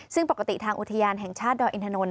ซึ่งปกติทางอุทยานแห่งชาติดอยอินทนนท